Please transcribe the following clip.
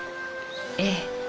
ええ。